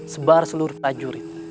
sebar seluruh pajurit